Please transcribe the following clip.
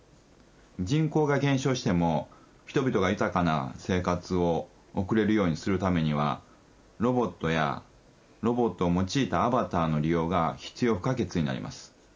人口が減少しても人々が豊かな生活を送れるようにするためにはロボットやロボットを用いたアバターの利用が必要不可欠になります。